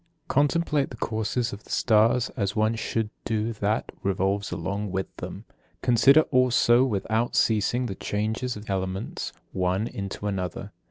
47. Contemplate the courses of the stars, as one should do that revolves along with them. Consider also without ceasing the changes of elements, one into another.